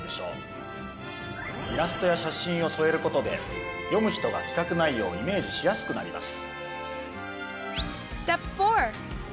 イラストや写真をそえることで読む人が企画内容をイメージしやすくなります。